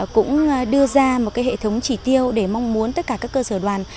cũng đưa ra một hệ thống chỉ tiêu để mong muốn tất cả các cơ sở đoàn